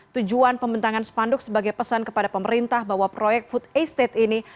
tujuan pembentangan spanduk sebagai pesan kepada pemerintah bahwa proyek food estate ini